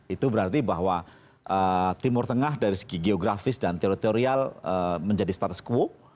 itu berarti bahwa timur tengah dari segi geografis dan teritorial menjadi status quo